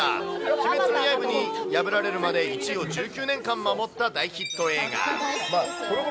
鬼滅の刃に破られるまで、１位を１９年間守った大ヒット映画。